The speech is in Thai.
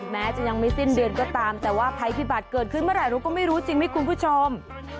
แม้จะยังไม่สิ้นเดือนก็ตามแต่ว่าภัยพิบัติเกิดขึ้นเมื่อไหร่เราก็ไม่รู้จริงไหมคุณผู้ชม